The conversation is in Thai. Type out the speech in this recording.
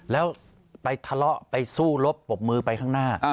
แล้วไปทะเลาะไปสู้รบปรบมือไปข้างหน้า